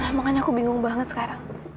emang kan aku bingung banget sekarang